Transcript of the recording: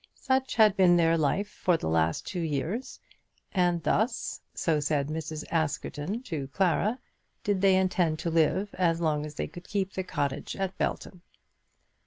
Such had been their life for the last two years; and thus, so said Mrs. Askerton to Clara, did they intend to live as long as they could keep the cottage at Belton.